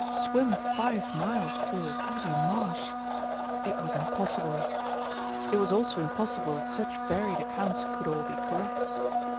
Swim five miles through a reedy marsh! It was impossible; it was also impossible that such varied accounts could all be correct.